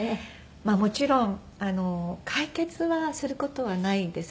もちろん解決はする事はないですね。